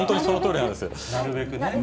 なるべく。